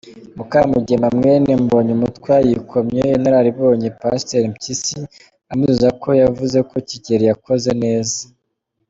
Mukamugema mwene Mbonyumutwa yikomye inaralibonye pasteur Mpyisi amuziza ko yavuzeko Kigeli yakoze neza.